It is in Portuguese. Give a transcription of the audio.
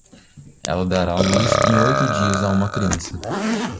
Ela dará a luz em oito dias a uma criança